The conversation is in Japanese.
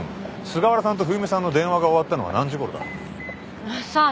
菅原さんと冬美さんの電話が終わったのは何時ごろだ？さあ。